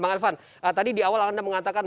bang elvan tadi di awal anda mengatakan